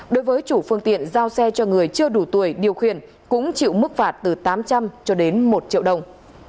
đối với chủ phương tiện giao xe cho người chưa đủ tuổi điều khiển cũng chịu mức phạt từ tám trăm linh cho đến một triệu đồng